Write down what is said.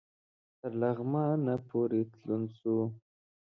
تر لغمانه پوري تلون سو